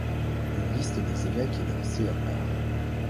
Une liste des évêques est dressée à part.